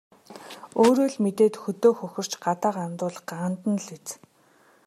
Өөрөө л мэдээд хөдөө хөхөрч, гадаа гандвал гандана л биз.